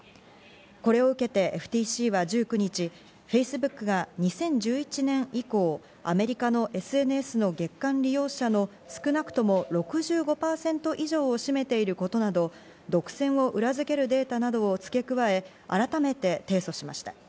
これを受けてＦＴＣは１９日、Ｆａｃｅｂｏｏｋが２０１１年以降、アメリカのＳＮＳの月間利用者の少なくとも６５％以上を占めていることなど、独占を裏付けるデータなどを付け加え、改めて提訴しました。